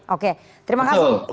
oke terima kasih